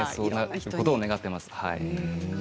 そうなることを願っています。